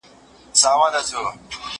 هغه وويل چي چپنه ضروري ده